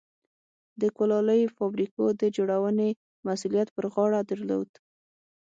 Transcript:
د کولالۍ فابریکو د جوړونې مسوولیت پر غاړه درلود.